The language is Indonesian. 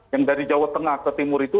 yang dari jawa tengah ke timur itu